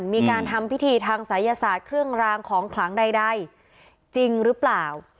มีการทำพิธีทางศัยศาสตร์เครื่องรางของขลังใดจริงหรือเปล่า